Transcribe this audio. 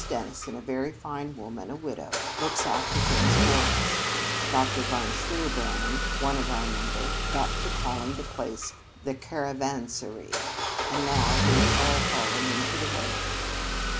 Dennison, a very fine woman, a widow, looks after things for us. Dr. von Shierbrand, one of our number, got to calling the place 'The Caravansary,' and now we've all fallen into the way of it."